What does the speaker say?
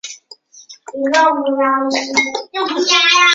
萧摹之和堂兄北兖州刺史萧源之都很看重同出兰陵萧氏的萧承之。